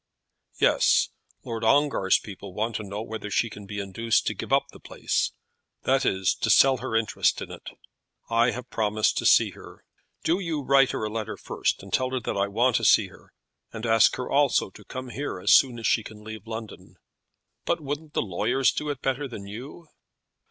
"Yes; Lord Ongar's people want to know whether she can be induced to give up the place; that is, to sell her interest in it. I have promised to see her. Do you write her a letter first, and tell her that I want to see her; and ask her also to come here as soon as she can leave London." "But wouldn't the lawyers do it better than you?"